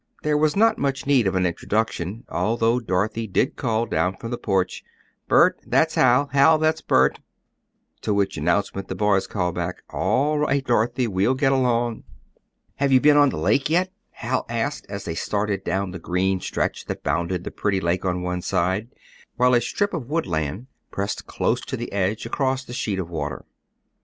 There was not much need of an introduction, although Dorothy did call down from the porch, "Bert that's Hal; Hal that's Bert," to which announcement the boys called back, "All right, Dorothy. We'll get along." "Have you been on the lake yet?" Hal asked, as they started down the green stretch that bounded the pretty lake on one side, while a strip of woodland pressed close to the edge across the sheet of water.